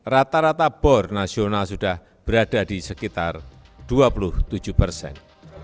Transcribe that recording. rata rata bor nasional sudah berada di sekitar dua puluh tujuh persen